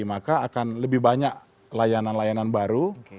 maka akan lebih banyak layanan layanan baru